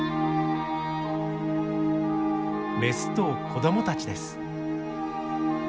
メスと子どもたちです。